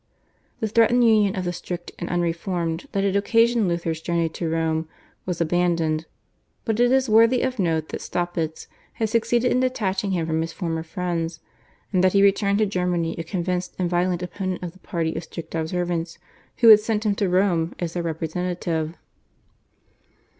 The threatened union of the strict and unreformed that had occasioned Luther's journey to Rome was abandoned; but it is worthy of note that Staupitz had succeeded in detaching him from his former friends, and that he returned to Germany a convinced and violent opponent of the party of strict observance, who had sent him to Rome as their representative.